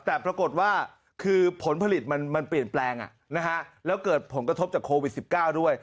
แต่ปรากฏว่าคือผลผลิตมันเปลี่ยนแปลงแล้วเกิดผลกระทบจากโควิด๑๙ด้วย